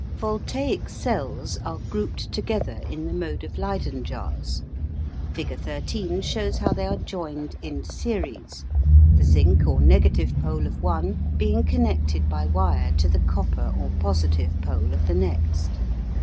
Voltaic cells are grouped together in the mode of Leyden jars. Figure 13 shows how they are joined "in series," the zinc or negative pole of one being connected by wire to the copper or positive pole of the next.